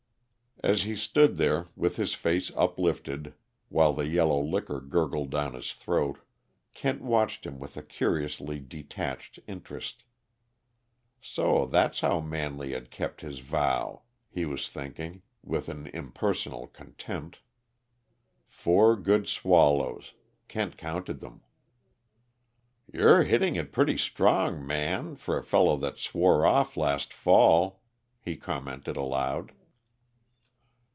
As he stood there, with his face uplifted while the yellow liquor gurgled down his throat, Kent watched him with a curiously detached interest. So that's how Manley had kept his vow! he was thinking, with an impersonal contempt. Four good swallows Kent counted them. "You're hitting it pretty strong, Man, for a fellow that swore off last fall," he commented aloud.